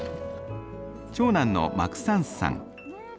長男のマクサンスさん。